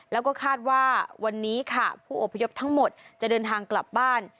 แล้วก็คาดว่าวันนี้ค่ะผู้อพยพทั้งหมดจะเดินทางกลับบ้าน